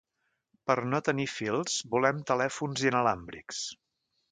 Per no tenir fils volem telèfons “inalàmbrics”.